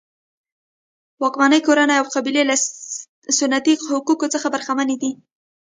واکمنې کورنۍ او قبیلې له سنتي حقونو څخه برخمنې دي.